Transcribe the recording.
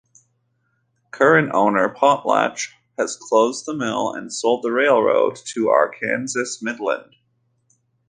Current owner Potlatch has closed the mill and sold the railroad to Arkansas Midland.